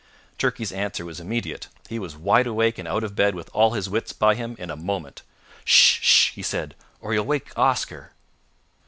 Turkey's answer was immediate. He was wide awake and out of bed with all his wits by him in a moment. "Sh! sh!" he said, "or you'll wake Oscar."